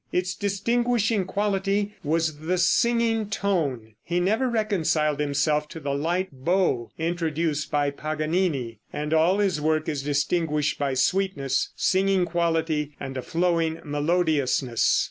Its distinguishing quality was the singing tone. He never reconciled himself to the light bow introduced by Paganini, and all his work is distinguished by sweetness, singing quality and a flowing melodiousness.